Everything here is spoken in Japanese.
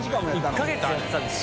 １か月やってたんですか？